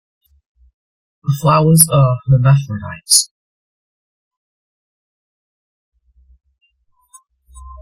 The flowers are hermaphrodites.